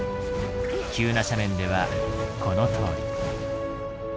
急な斜面ではこのとおり。